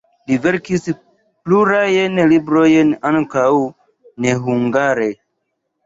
Li verkis plurajn librojn, ankaŭ nehungare.